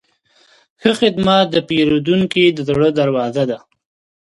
ښه خدمت د پیرودونکي د زړه دروازه ده.